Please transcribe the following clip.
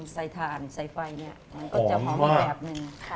ใส่ถาดใส่ไฟมันก็จะหอมอีกแบบนึง